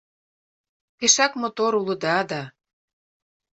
Пешак мотор улыда да